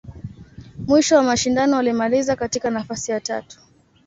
Mwisho wa mashindano, alimaliza katika nafasi ya tatu.